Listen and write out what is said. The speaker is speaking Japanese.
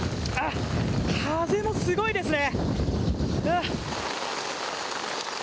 風もすごいですね。